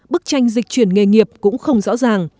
bức tranh dịch chuyển nghề nghiệp cũng không rõ ràng